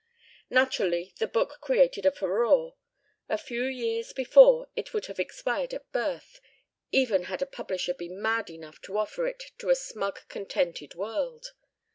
Naturally, the book created a furore. A few years before it would have expired at birth, even had a publisher been mad enough to offer it to a smug contented world.